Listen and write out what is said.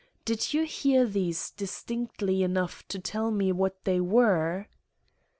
Did you hear these distinctly enough to tell me what they were?"